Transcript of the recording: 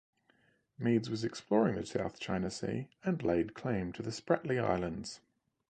Meads was exploring the South China Sea and laid claim to the Spratly Islands.